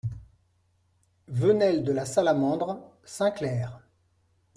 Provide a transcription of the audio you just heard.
Venelle de la Salamandre, Saint-Clair